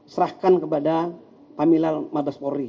serahkan kepada pamila madaspori